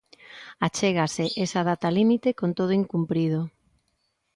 Achégase esa data límite con todo incumprido.